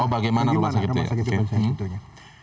oh bagaimana rumah sakit itu ya